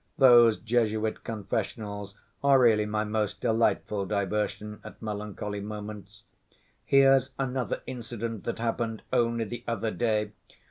Those Jesuit confessionals are really my most delightful diversion at melancholy moments. Here's another incident that happened only the other day.